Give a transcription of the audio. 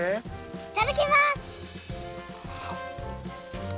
いただきます！